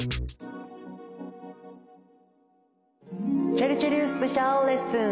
ちぇるちぇるスペシャルレッスン！